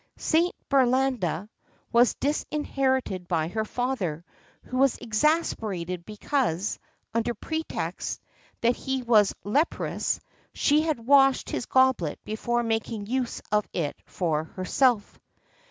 Saint Berlanda was disinherited by her father, who was exasperated because, under pretext that he was leprous, she had washed his goblet before making use of it for herself.